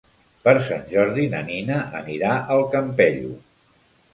Per Sant Jordi na Nina anirà al Campello.